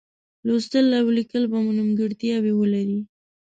لوستل او لیکل به مو نیمګړتیاوې ولري.